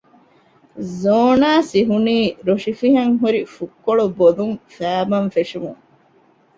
ޒޯރާ ސިހުނީ ރޮށިފިހަން ހުރި ފުށްކޮޅު ބޮލުން ފައިބަން ފެށުމުން